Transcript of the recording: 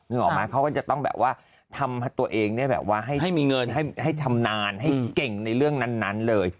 ออกมาเขาก็จะต้องแบบว่าทำตัวเองเนี่ยแบบว่าให้มีเงินให้ชำนาญให้เก่งในเรื่องนั้นเลย